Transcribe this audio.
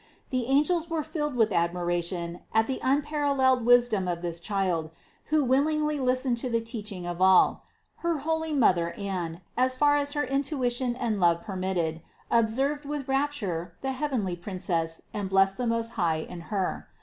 The angels were filled with admiration at the unparalleled wisdom of this Child, who willingly listened to the teach ing of all. Her holy mother Anne, as far as her intui tion and love permitted, observed with rapture the heav enly Princess and blessed the Most High in Her.